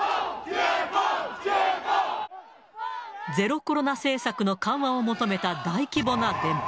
ゼロコロナ政策の緩和を求めた大規模なデモ。